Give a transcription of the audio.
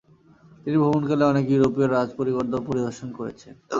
তিনি ভ্রমণকালে অনেক ইউরোপীয় রাজ পরিবার পরিদর্শন করেছেন।